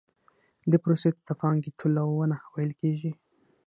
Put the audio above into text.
دې پروسې ته د پانګې ټولونه ویل کېږي